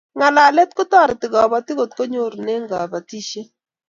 ngalalet kotareti kabatik kot konyorune kanetishiet